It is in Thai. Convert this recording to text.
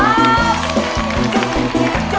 โอเค